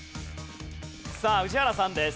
さあ宇治原さんです。